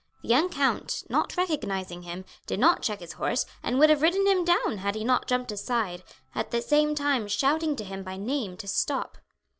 The young count, not recognizing him, did not check his horse and would have ridden him down had he not jumped aside, at the same time shouting to him by name to stop.